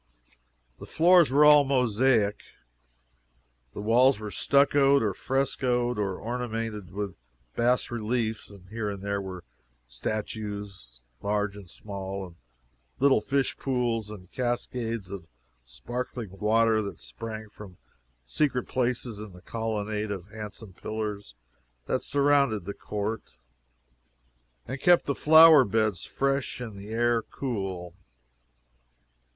The floors were all mosaic, the walls were stuccoed, or frescoed, or ornamented with bas reliefs, and here and there were statues, large and small, and little fish pools, and cascades of sparkling water that sprang from secret places in the colonnade of handsome pillars that surrounded the court, and kept the flower beds fresh and the air cool.